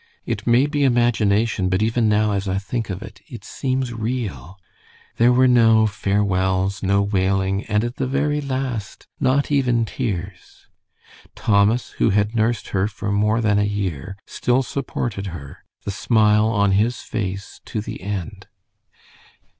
It may be imagination, but even now, as I think of it, it seems real. There were no farewells, no wailing, and at the very last, not even tears. Thomas, who had nursed her for more than a year, still supported her, the smile on his face to the end.